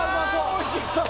おいしそう！